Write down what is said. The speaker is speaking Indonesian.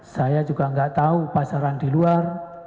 saya juga gak tau pasaran di luar